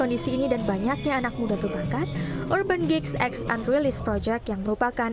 di sini dan banyaknya anak muda berbangkat urban geeks x and release project yang merupakan